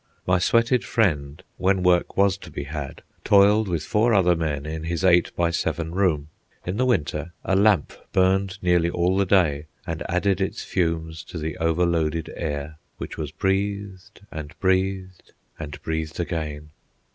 My sweated friend, when work was to be had, toiled with four other men in his eight by seven room. In the winter a lamp burned nearly all the day and added its fumes to the over loaded air, which was breathed, and breathed, and breathed again.